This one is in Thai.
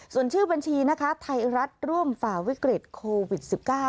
ส่วนชื่อบัญชีนะคะไทยรัฐร่วมฝ่าวิกฤตโควิด๑๙